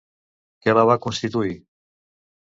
Qui la va constituir?